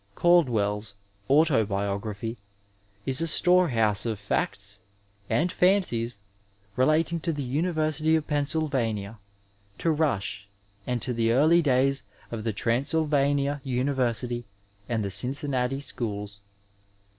Caldwell's Autobiography is a storehouse of facts (and fancies !) relating to the University of Pennsyl vania, to Rush and to the early days of the Transylvania University and the Cincinnati schools.